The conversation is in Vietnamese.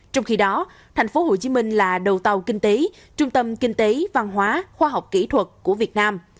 trong khi đó tp hcm là đầu tàu kinh tế trung tâm kinh tế văn hóa khoa học kỹ thuật của việt nam